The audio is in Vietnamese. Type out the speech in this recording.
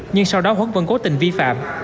nhưng sau đó huấn vẫn cố tình vi phạm